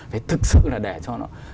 phải thực sự là để cho nó